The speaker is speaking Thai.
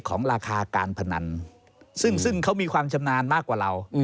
ของราคาการพนันซึ่งเขามีความชำนาญมากกว่าเรา